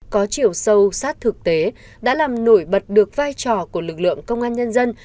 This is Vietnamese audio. có chiều sâu sát thực tế đã làm nổi bật được vai trò của lực lượng công an nhân dân